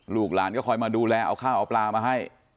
ลูกหลานก็คอยมาดูแลเอาข้าวเอาปลามาให้